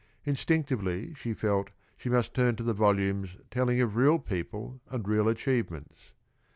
Instinctively she felt she must turn to the volumes telling of real people and real achievements.